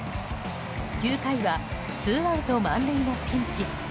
９回はツーアウト満塁のピンチ。